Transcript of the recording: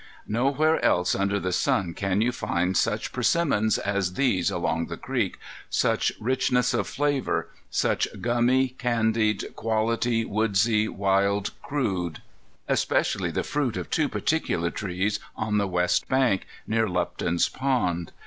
Nowhere else under the sun can you find such persimmons as these along the creek, such richness of flavor, such gummy, candied quality, woodsy, wild, crude,—especially the fruit of two particular trees on the west bank, near Lupton's Pond.